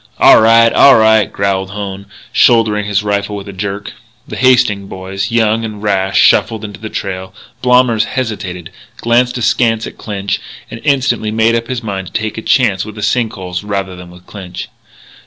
"All right, all right," growled Hone, shouldering his rifle with a jerk. The Hastings boys, young and rash, shuffled into the trail. Blommers hesitated, glanced askance at Clinch, and instantly made up his mind to take a chance with the sink holes rather than with Clinch.